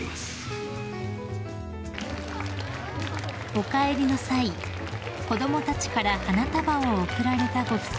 ［お帰りの際子供たちから花束を贈られたご夫妻］